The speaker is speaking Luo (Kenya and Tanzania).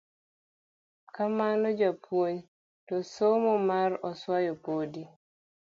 Kamano japuponj, to somo mar oswayo podi….